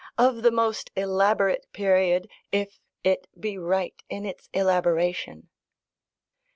of the most elaborate period, if it be right in its elaboration.